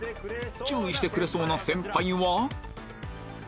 注意してくれそうな先輩は？